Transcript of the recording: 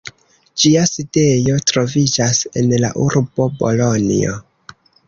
Ĝia sidejo troviĝas en la urbo Bolonjo.